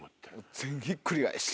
全ひっくり返し。